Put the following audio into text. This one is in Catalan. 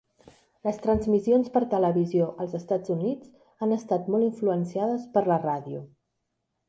Les transmissions per televisió als Estats Units han estat molt influenciades per la ràdio.